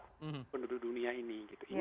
untuk penduduk dunia ini